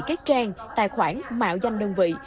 cách trang tài khoản mạo danh đơn vị